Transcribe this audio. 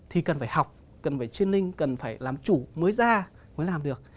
thì cần phải học cần phải chênh ninh cần phải làm chủ mới ra mới làm được